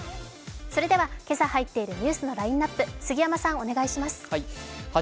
それでは今朝入っているニュースのラインナップ、杉山さん。